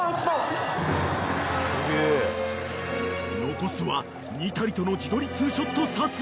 ［残すはニタリとの自撮りツーショット撮影］